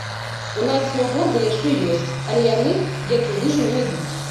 У нас сноўборды яшчэ ёсць, але яны, як і лыжы не ідуць.